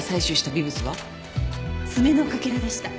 爪のかけらでした。